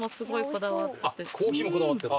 コーヒーもこだわってる？